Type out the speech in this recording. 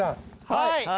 はい。